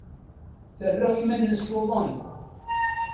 Terra iman-nnes tuḍen.